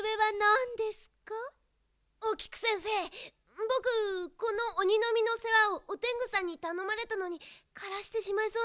おきくせんせいぼくこのおにのみのせわをオテングさんにたのまれたのにからしてしまいそうなんです。